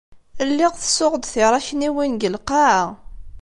Lliɣ ttessuɣ-d tiṛakniwin deg lqaɛa.